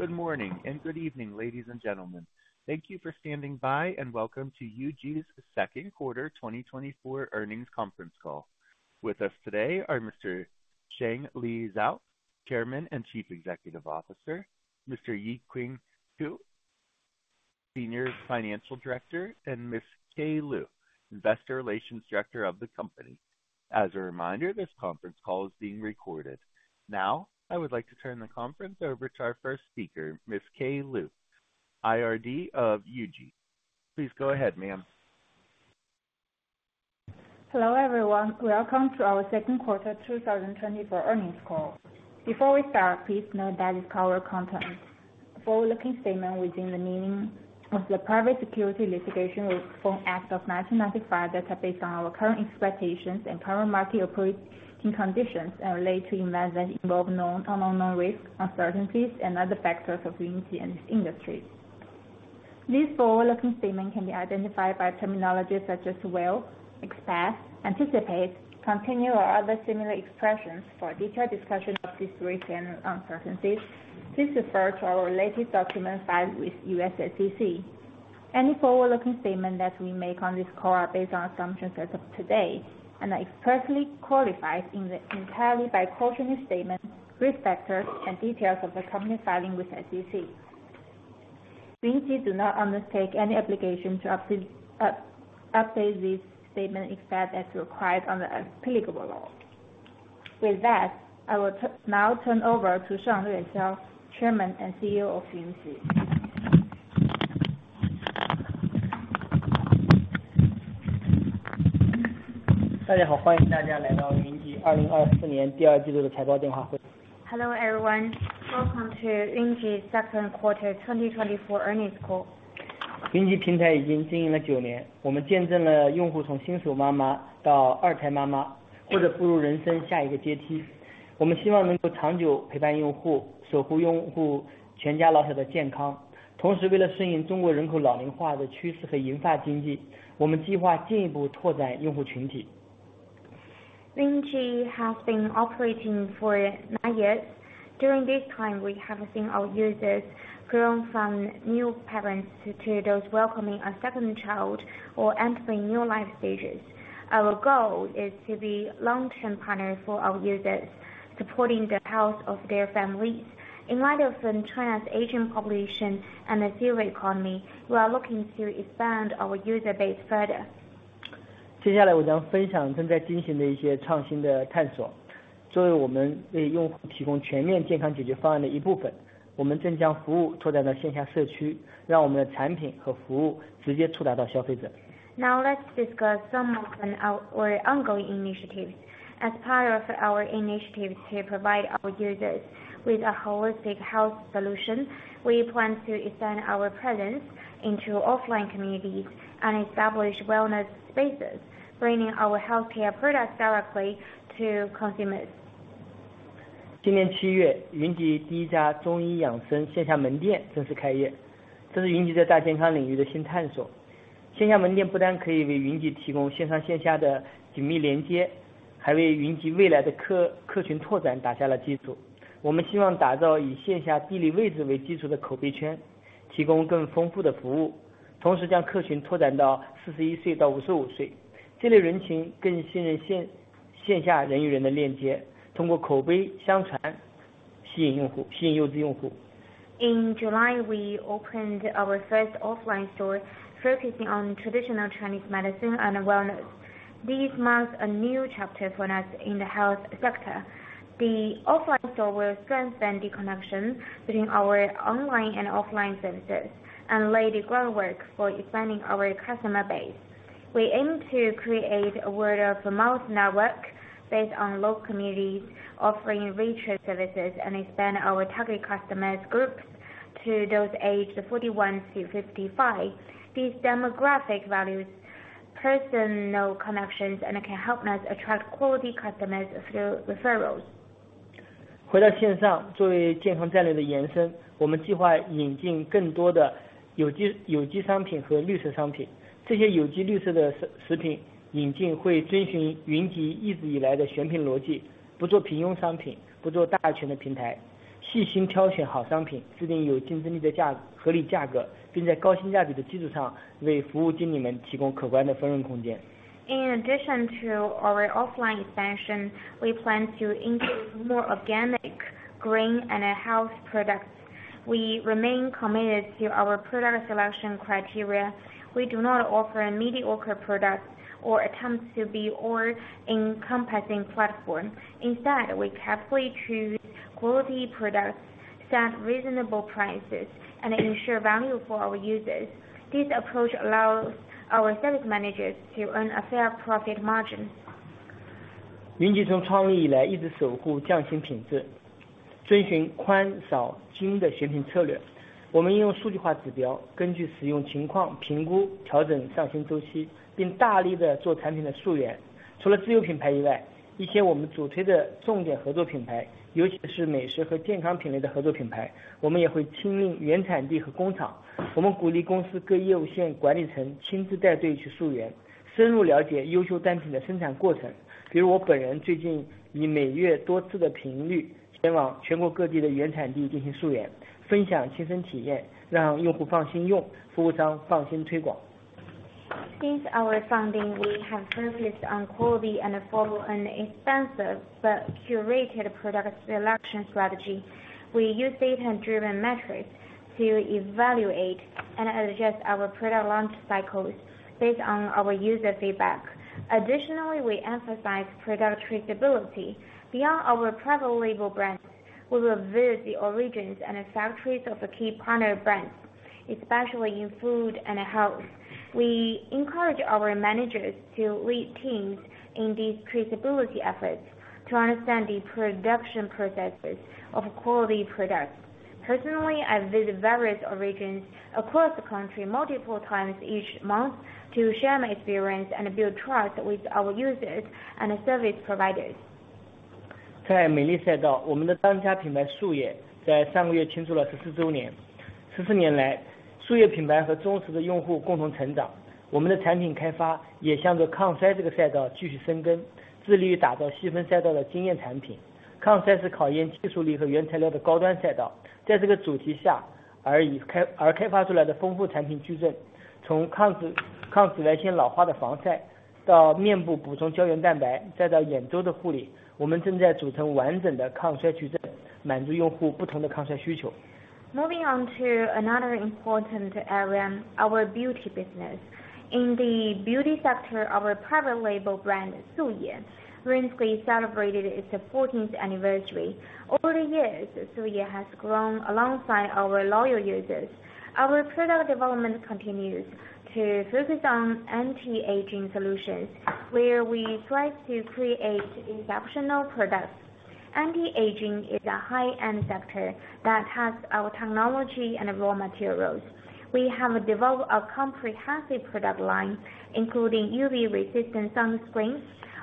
Good morning and good evening, ladies and gentlemen. Thank you for standing by, and welcome to Yunji's Second Quarter 2024 Earnings Conference Call. With us today are Mr. Shanglue Xiao, Chairman and Chief Executive Officer, Mr. Wei Cui, Senior Financial Director, and Miss Kaye Liu, Investor Relations Director of the company. As a reminder, this conference call is being recorded. Now, I would like to turn the conference over to our first speaker, Miss Kaye Liu, IRD of Yunji. Please go ahead, ma'am. Hello, everyone. Welcome to our Second Quarter 2024 Earnings Call. Before we start, please note that is our content. Forward-looking statement within the meaning of the Private Securities Litigation Reform Act of 1995 that are based on our current expectations and current market operating conditions and relate to events that involve known or unknown risks, uncertainties and other factors affecting in this industry. These forward-looking statements can be identified by terminology such as will, expect, anticipate, continue, or other similar expressions. For a detailed discussion of these risks and uncertainties, please refer to our related documents filed with U.S. SEC. Any forward-looking statement that we make on this call are based on assumptions as of today, and are expressly qualified in their entirety by cautionary statement, risk factors, and details of the company's filing with SEC. Yunji do not undertake any obligation to update this statement, except as required under applicable law. With that, I will now turn over to Shanglue Xiao, Chairman and CEO of Yunji. Hello, everyone. Welcome to Yunji Second Quarter 2024 Earnings Call. Yunji has been operating for nine years. During this time, we have seen our users grow from new parents to those welcoming a second child or entering new life stages. Our goal is to be long-term partners for our users, supporting the health of their families. In light of China's aging population and the silver economy, we are looking to expand our user base further. Now let's discuss some of our ongoing initiatives. As part of our initiative to provide our users with a holistic health solution, we plan to expand our presence into offline communities and establish wellness spaces, bringing our healthcare products directly to consumers. In July, we opened our first offline store focusing on traditional Chinese medicine and wellness. This marks a new chapter for us in the health sector. The offline store will strengthen the connection between our online and offline services, and lay the groundwork for expanding our customer base. We aim to create a word-of-mouth network based on local communities, offering richer services, and expand our target customers groups to those aged 41 to 55. These demographic values, personal connections, and can help us attract quality customers through referrals. In addition to our offline expansion, we plan to include more organic, green, and health products. We remain committed to our product selection criteria. We do not offer a mediocre product or attempt to be all-encompassing platform. Instead, we carefully choose quality products, set reasonable prices, and ensure value for our users. This approach allows our service managers to earn a fair profit margin. Yunji ...Since our founding, we have focused on quality and follow an extensive but curated product selection strategy. We use data-driven metrics to evaluate and adjust our product launch cycles based on our user feedback. Additionally, we emphasize product traceability. Beyond our private label brands, we review the origins and factories of the key partner brands, especially in food and health. We encourage our managers to lead teams in these traceability efforts to understand the production processes of quality products. Personally, I visit various origins across the country multiple times each month to share my experience and build trust with our users and service providers. Moving on to another important area, our beauty business. In the beauty sector, our private label brand, Suyue, recently celebrated its fourteenth anniversary. Over the years, Yunji has grown alongside our loyal users. Our product development continues to focus on anti-aging solutions, where we strive to create exceptional products. Anti-aging is a high-end sector that has our technology and raw materials. We have developed a comprehensive product line, including UV-resistant sunscreens,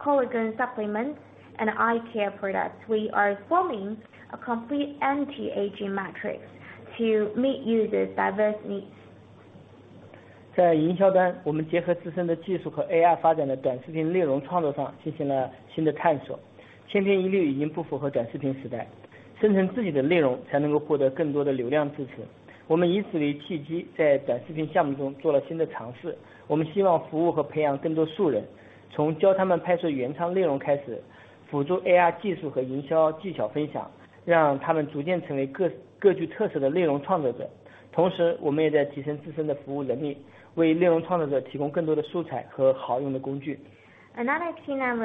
collagen supplements, and eye care products. We are forming a complete anti-aging matrix to meet users' diverse needs. Another key number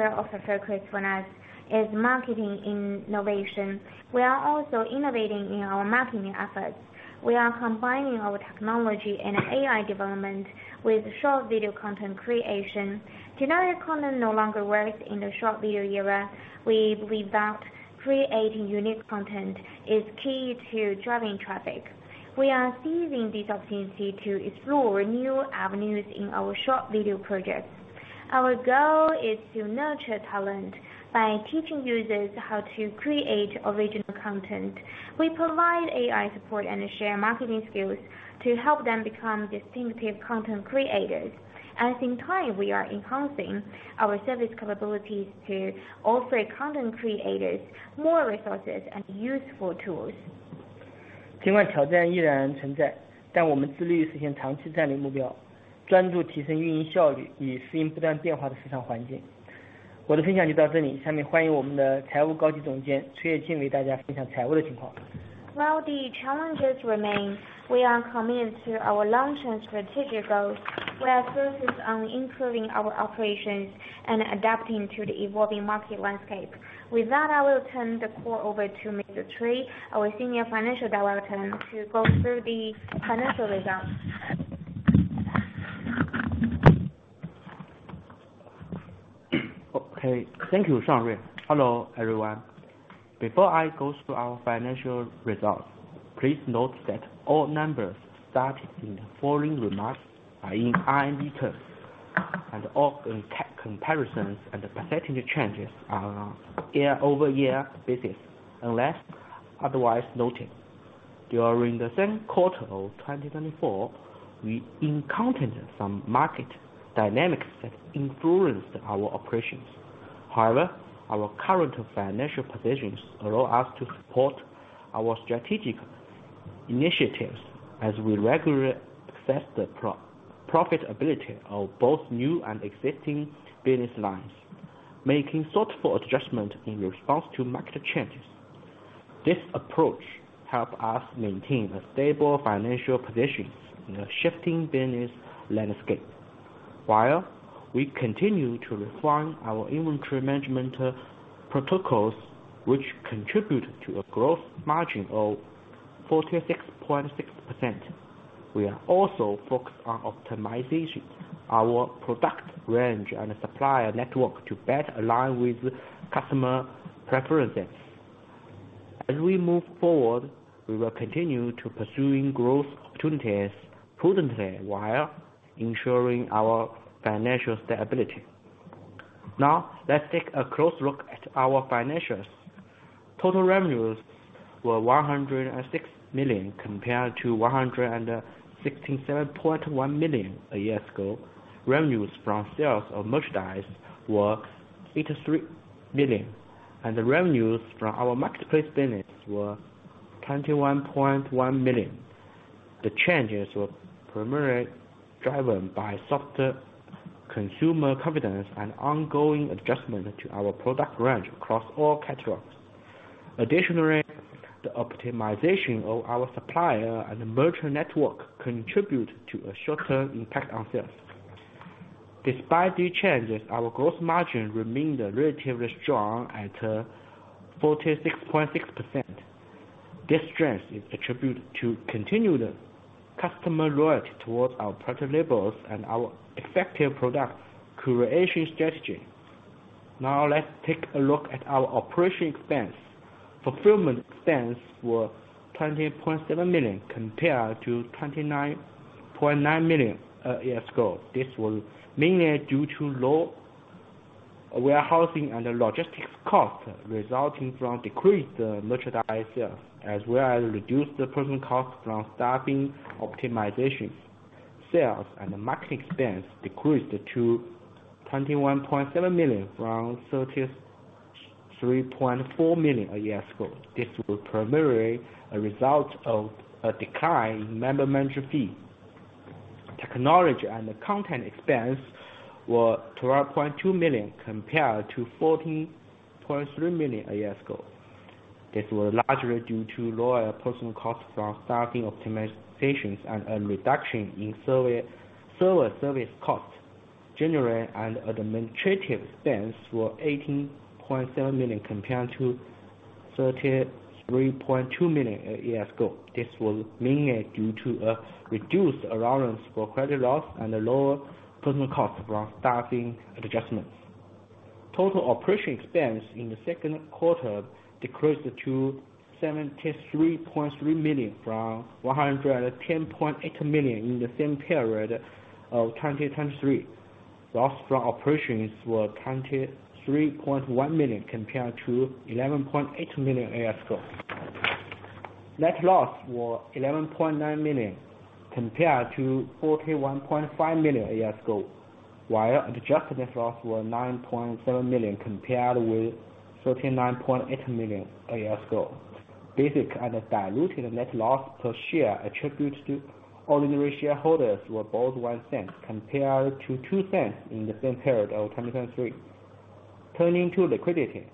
of the focus for us is marketing innovation. We are also innovating in our marketing efforts. We are combining our technology and AI development with short video content creation. Generic content no longer works in the short video era. We believe that creating unique content is key to driving traffic. We are seizing this opportunity to explore new avenues in our short video projects. Our goal is to nurture talent by teaching users how to create original content. We provide AI support and share marketing skills to help them become distinctive content creators. At the same time, we are enhancing our service capabilities to offer content creators more resources and useful tools. While the challenges remain, we are committed to our long-term strategic goals. We are focused on improving our operations and adapting to the evolving market landscape. With that, I will turn the call over to Mr. Cui, our Senior Financial Director, to go through the financial results. Okay, thank you, Shanglue. Hello, everyone. Before I go through our financial results, please note that all numbers stated in the following remarks are in RMB terms, and all comparisons and percentage changes are year-over-year basis, unless otherwise noted. During the second quarter of twenty twenty-four, we encountered some market dynamics that influenced our operations. However, our current financial positions allow us to support our strategic initiatives as we regularly assess the profitability of both new and existing business lines, making thoughtful adjustment in response to market changes. This approach help us maintain a stable financial position in a shifting business landscape. While we continue to refine our inventory management protocols, which contribute to a growth margin of 46.6%, we are also focused on optimization our product range and supplier network to better align with customer preferences. As we move forward, we will continue to pursuing growth opportunities prudently while ensuring our financial stability. Now, let's take a close look at our financials. Total revenues were 106 million, compared to 167.1 million a year ago. Revenues from sales of merchandise were 83 million, and the revenues from our marketplace business were 21.1 million. The changes were primarily driven by softer consumer confidence and ongoing adjustment to our product range across all categories. Additionally, the optimization of our supplier and merchant network contribute to a short-term impact on sales. Despite these changes, our gross margin remained relatively strong at 46.6%. This strength is attributed to continued customer loyalty towards our private labels and our effective product creation strategy. Now let's take a look at our operating expense. Fulfillment expense were 20.7 million, compared to 29.9 million a year ago. This was mainly due to low warehousing and logistics costs, resulting from decreased merchandise sales, as well as reduced personal costs from staffing optimizations. Sales and marketing expense decreased to 21.7 million from 33.4 million a year ago. This was primarily a result of a decline in member management fee. Technology and content expense were 12.2 million, compared to 14.3 million a year ago. This was largely due to lower personal costs from staffing optimizations and a reduction in survey-server service costs. General and administrative expense were 18.7 million, compared to 33.2 million a year ago. This was mainly due to a reduced allowance for credit loss and a lower personal cost from staffing adjustments. Total operation expense in the second quarter decreased to 73.3 million from 110.8 million in the same period of 2023. Loss from operations were 23.1 million, compared to 11.8 million a year ago. Net loss were 11.9 million, compared to 41.5 million a year ago, while adjusted net loss were 9.7 million, compared with 39.8 million a year ago. Basic and diluted net loss per share attributed to ordinary shareholders were both $0.01, compared to $0.02 in the same period of 2023. Turning to liquidity.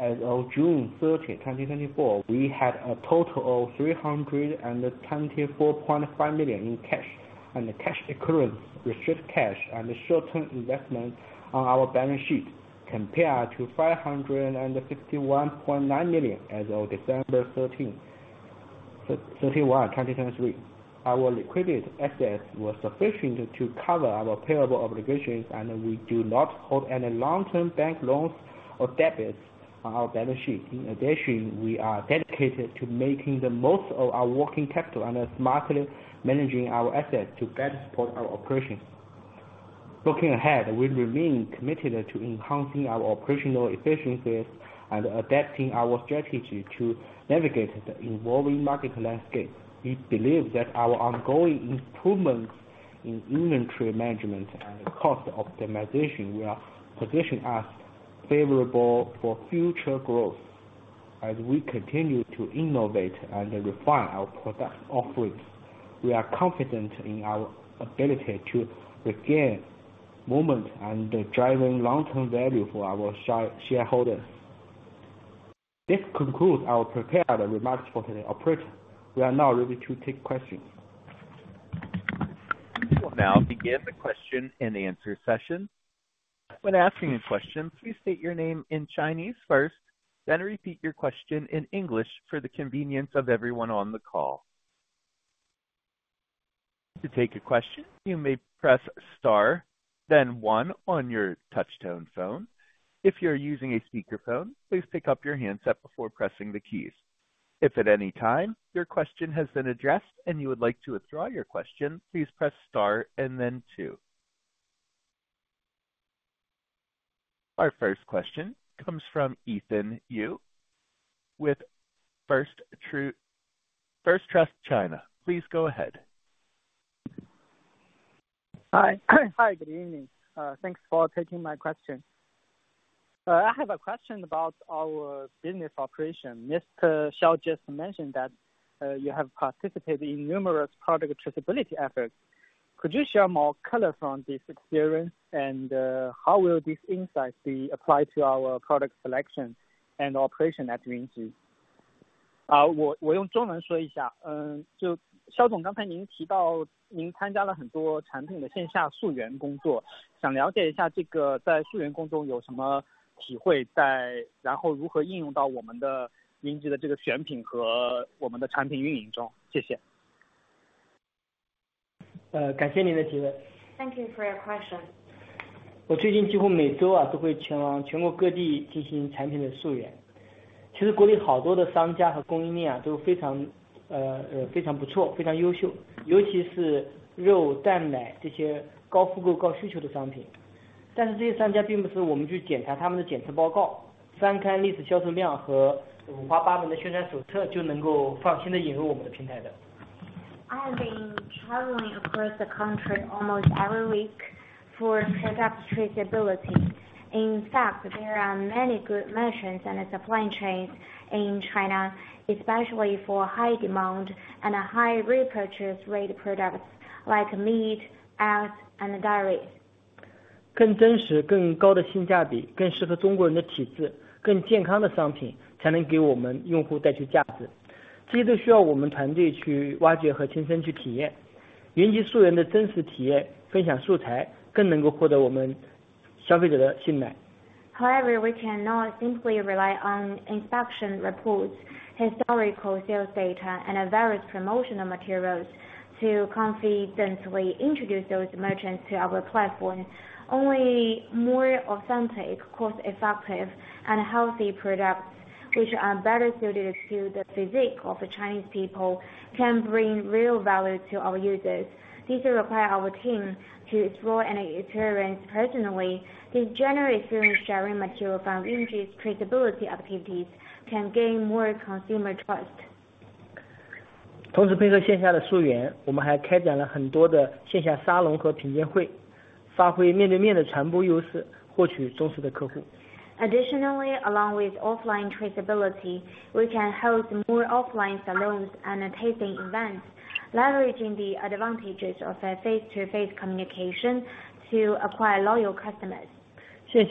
As of June 30th, 2024, we had a total of 324.5 million in cash and cash equivalents, restricted cash and short-term investments on our balance sheet, compared to 551.9 million as of December 31st, 2023. Our liquid assets were sufficient to cover our payable obligations, and we do not hold any long-term bank loans or debts on our balance sheet. In addition, we are dedicated to making the most of our working capital and smartly managing our assets to better support our operations. Looking ahead, we remain committed to enhancing our operational efficiencies and adapting our strategy to navigate the evolving market landscape. We believe that our ongoing improvements in inventory management and cost optimization will position us favorably for future growth. As we continue to innovate and refine our product offerings, we are confident in our ability to regain momentum and driving long-term value for our shareholders. This concludes our prepared remarks for today's operation. We are now ready to take questions. We will now begin the Q&A session. When asking a question, please state your name in Chinese first, then repeat your question in English for the convenience of everyone on the call. To take a question, you may press star, then one on your touch-tone phone. If you're using a speakerphone, please pick up your handset before pressing the keys. If at any time your question has been addressed and you would like to withdraw your question, please press star and then two. Our first question comes from Ethan Yu with First Trust China. Please go ahead. Hi. Hi, good evening. Thanks for taking my question. I have a question about our business operation. Mr. Xiao just mentioned that you have participated in numerous product traceability efforts. Could you share more color from this experience? And, how will these insights be applied to our product selection and operation at Yunji? Thank you for your question.... I've been traveling across the country almost every week for product traceability. In fact, there are many good merchants and supply chains in China, especially for high demand and a high repurchase rate products like meat, eggs, and dairy. However, we cannot simply rely on inspection reports, historical sales data, and various promotional materials to confidently introduce those merchants to our platform. Only more authentic, cost-effective, and healthy products, which are better suited to the physique of the Chinese people, can bring real value to our users. These require our team to explore and experience personally. These general experience sharing material from Yunji's traceability activities can gain more consumer trust. Additionally, along with offline traceability, we can host more offline salons and tasting events, leveraging the advantages of a face-to-face communication to acquire loyal customers. With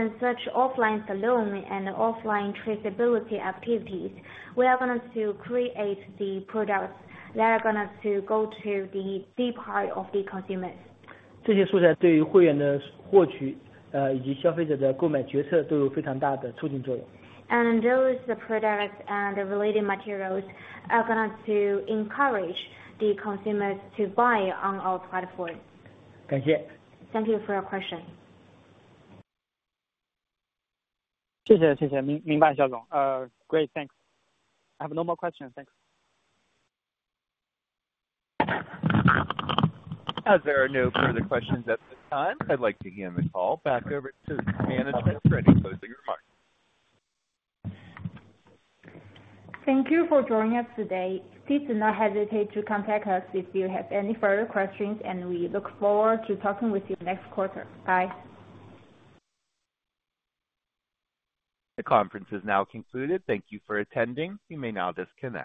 such offline salon and offline traceability activities, we are going to create the products that are going to go to the deep heart of the consumers, and those products and the related materials are going to encourage the consumers to buy on our platform. Thank you for your question. Great, thanks. I have no more questions. Thanks. As there are no further questions at this time, I'd like to hand the call back over to management for any closing remarks. Thank you for joining us today. Please do not hesitate to contact us if you have any further questions, and we look forward to talking with you next quarter. Bye. The conference is now concluded. Thank you for attending. You may now disconnect.